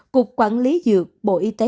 cục quản lý dược bộ y tế